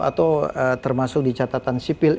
atau termasuk di catatan sipil